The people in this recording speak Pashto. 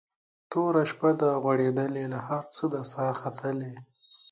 توره شپه ده غوړېدلې له هر څه ده ساه ختلې